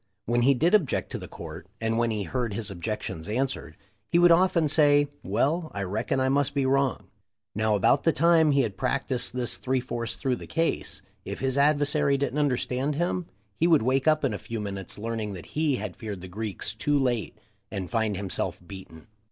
When he did object to the court, and when he heard his objections an swered, he would often say, 'Well, I reckon I must be wrong.' Now, about the time he had practised this three fourths through the case, if his adversary didn't understand him, he would wake up in a few minutes learning that he had feared the Greeks too late and find himself beaten.